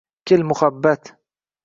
Kel, muhabbat